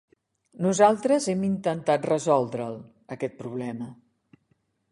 Nosaltres hem intentat resoldre’l, aquest problema.